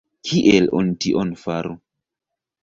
Kiel oni tion faru?